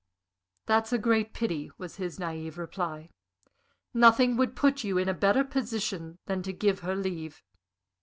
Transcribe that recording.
"That's a great pity," was his naïve reply. "Nothing would put you in a better position than to give her leave."